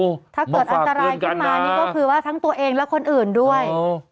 มาฝากเพื่อนกันนะถ้าเกิดอันตรายขึ้นมานี่ก็คือทั้งตัวเองและคนอื่นด้วย